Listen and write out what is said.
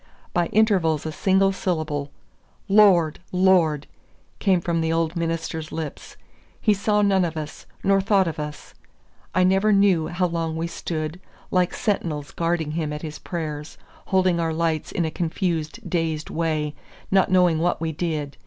By intervals a single syllable, "Lord! Lord!" came from the old minister's lips. He saw none of us, nor thought of us. I never knew how long we stood, like sentinels guarding him at his prayers, holding our lights in a confused dazed way, not knowing what we did.